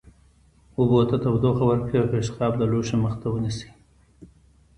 اوبو ته تودوخه ورکړئ او پیشقاب د لوښي مخ ته ونیسئ.